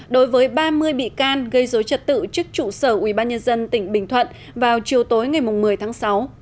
đối với ba mươi bị can gây dối trật tự trước trụ sở ubnd tỉnh bình thuận vào chiều tối ngày một mươi tháng sáu